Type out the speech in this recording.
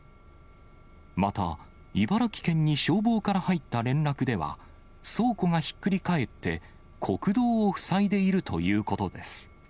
また茨城県に消防から入った連絡では、倉庫がひっくり返って国道を塞いでいるということです。